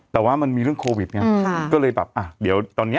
แต่ว่ามันมีเรื่องโควิด